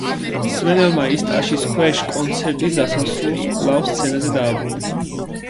მსმენელმა ის ტაშის ქვეშ კონცერტის დასასრულს კვლავ სცენაზე დააბრუნა.